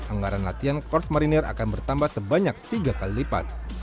anggaran latihan kors marinir akan bertambah sebanyak tiga kali lipat